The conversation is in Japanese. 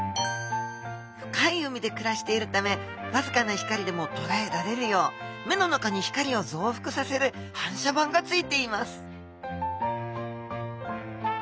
深い海で暮らしているためわずかな光でもとらえられるよう目の中に光を増幅させる反射板がついています